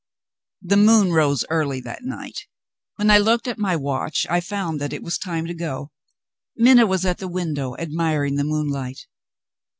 The moon rose early that night. When I looked at my watch, I found that it was time to go. Minna was at the window, admiring the moonlight.